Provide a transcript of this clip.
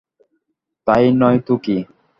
তা নয় তো কী?